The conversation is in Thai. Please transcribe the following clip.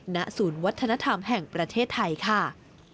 ณศูนย์วัฒนธรรมแห่งประเทศไทยค่ะ